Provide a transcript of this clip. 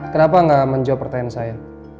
kenapa nggak menjawab pertanyaan saya